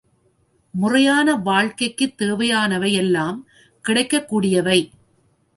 முறையான வாழ்க்கைக்குத் தேவையானவை எல்லாம் கிடைக்கக் கூடியவை.